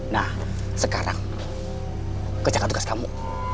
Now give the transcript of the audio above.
nah sekarang ke cakap tugas kamu